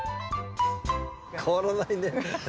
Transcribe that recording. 変わらないね。